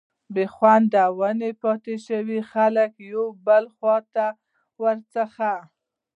بي خونده ونې پاتي شوې، خلک يو بل خوا ور څخه